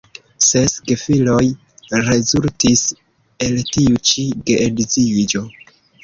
Ses gefiloj rezultis el tiu ĉi geedziĝo.